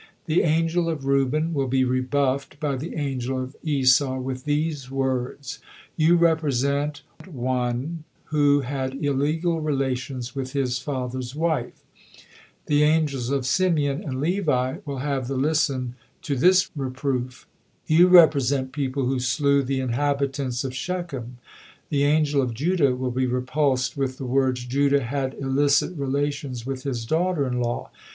The angel of Reuben will be rebuffed by the angel of Esau with these words, "you represent on who had illegal relations with his father's wife"; the angels of Simeon and Levi will have the listen to this reproof, "You represent people who slew the inhabitants of Shechem"; the angel of Judah will be repulsed with the words, "Judah had illicit relations with his daughter in law."